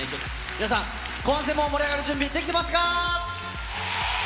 皆さん、後半戦も盛り上がる準備、できてますかー？